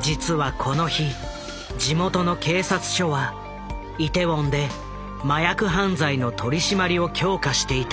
実はこの日地元の警察署はイテウォンで麻薬犯罪の取締りを強化していた。